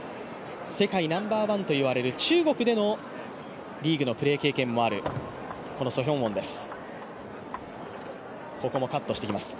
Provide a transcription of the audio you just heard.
世界ナンバーワンといわれる中国でのリーグのプレー経験もあるソ・ヒョウォンです。